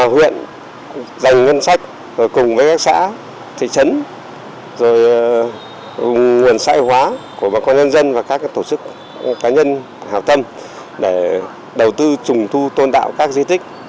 huyện dành ngân sách cùng với các xã thị trấn nguồn xãi hóa của bà con nhân dân và các tổ chức cá nhân hào tâm để đầu tư trùng tu tôn tạo các di tích